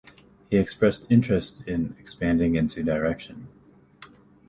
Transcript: He expressed interest in expanding into direction.